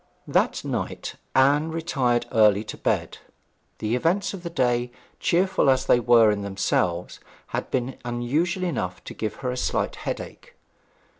That night Anne retired early to bed. The events of the day, cheerful as they were in themselves, had been unusual enough to give her a slight headache.